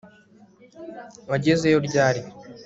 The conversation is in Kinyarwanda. Wagezeyo ryari